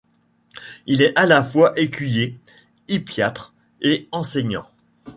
Il est à la fois écuyer, hippiatre et enseignant.